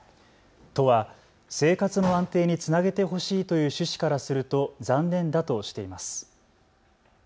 都は生活の安定につなげてほしいという趣旨からすると残念だとしています。